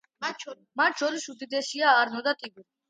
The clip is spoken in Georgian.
მათ შორის უდიდესია არნო და ტიბრი.